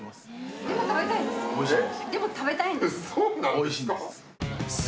おいしいんです。